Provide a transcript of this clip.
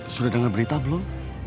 sudah dengar berita belum